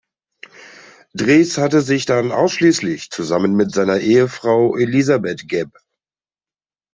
Drees hatte sich dann ausschließlich zusammen mit seiner Ehefrau Elisabeth geb.